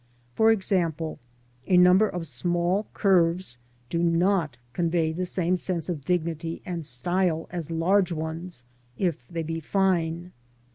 For example, a number of small curves do not convey the same sense of dignity and style as large ones if they be fine.